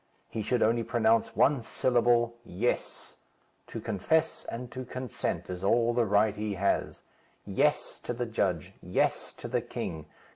He should only pronounce one syllable: 'Yes.' To confess and to consent is all the right he has. 'Yes,' to the judge; 'yes,' to the king.